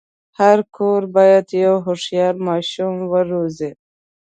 هر کور باید یو هوښیار ماشوم وروزي.